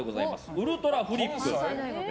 ウルトラフリップ。